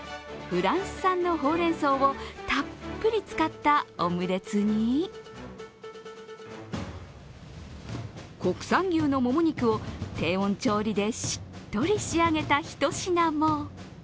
フランス産のほうれんそうをたっぷり使ったオムレツに国産牛のもも肉を低温調理でしっとり仕上げたひと品も。